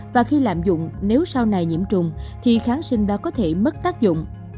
và khi lạm dụng nếu sau này nhiễm trùng thì kháng sinh đó có thể mất tác dụng